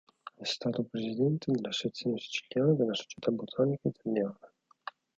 È stato presidente della sezione siciliana della Società Botanica Italiana.